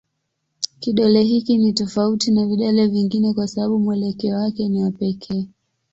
Kidole hiki ni tofauti na vidole vingine kwa sababu mwelekeo wake ni wa pekee.